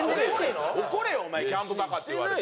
怒れよお前「キャンプバカ」って言われて。